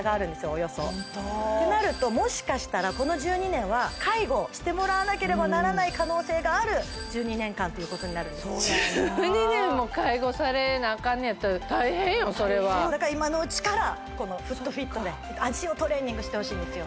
およそホントてなるともしかしたらこの１２年は介護してもらわなければならない可能性がある１２年間ということになるんですだから今のうちからこのＦｏｏｔＦｉｔで脚をトレーニングしてほしいんですよ